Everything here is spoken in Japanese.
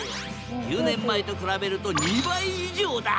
１０年前と比べると２倍以上だ！